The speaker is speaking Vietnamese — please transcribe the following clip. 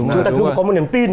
chúng ta cứ có một niềm tin